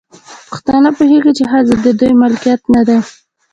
پښتانه پوهيږي، چې ښځې د دوی ملکيت نه دی